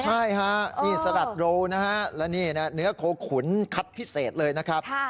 ใช่ฮะนี่สลัดโรนะฮะแล้วนี่เนื้อโคขุนคัดพิเศษเลยนะครับ